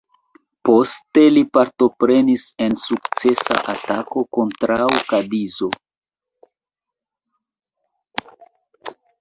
Poste li partoprenis en sukcesa atako kontraŭ Kadizo.